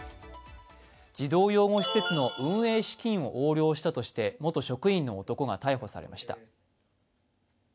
児童養護施設の運営資金を横領したとして元職員の男が逮捕されました。